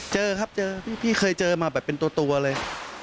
เจอครับเจอพี่เคยเจอมาแบบเป็นตัวเลย